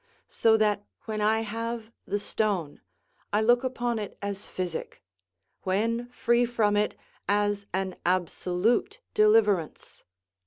So that when I have the stone, I look upon it as physic; when free from it, as an absolute deliverance.